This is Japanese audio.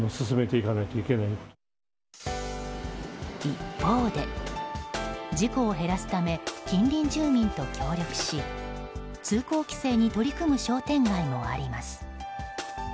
一方で事故を減らすため近隣住民と協力し通行規制に取り組む商店街もあります。